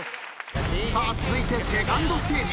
さあ続いてセカンドステージ。